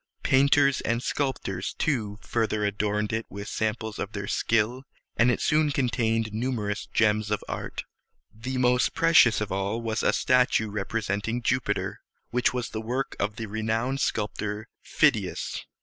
Painters and sculptors, too, further adorned it with samples of their skill, and it soon contained numerous gems of art. The most precious of all was a statue representing Jupiter, which was the work of the renowned sculptor Phid´i as.